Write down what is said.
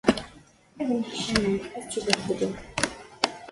Ad nneḥcamen, ad ttubhedlen.